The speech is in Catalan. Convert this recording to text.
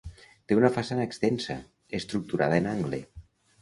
Té una façana extensa, estructurada en angle.